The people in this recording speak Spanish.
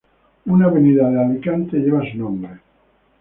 Una avenida de Alicante lleva su nombre.